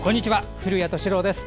古谷敏郎です。